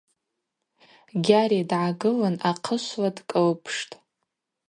Гьари дгӏагылын ахъышвла дкӏылпштӏ.